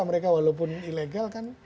mereka walaupun ilegal kan